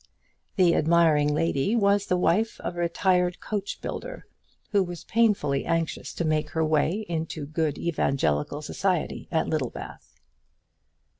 The admiring lady was the wife of a retired coachbuilder, who was painfully anxious to make her way into good evangelical society at Littlebath.